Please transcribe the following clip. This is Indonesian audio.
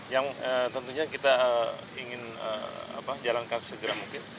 yang tentunya kita ingin jalankan segera mungkin